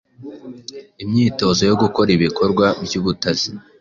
imyitozo yo gukora ibikorwa by'ubutasi